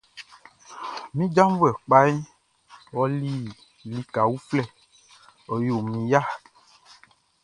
Mi janvuɛ kpaʼn ɔli lika uflɛ, ɔ yo min ya.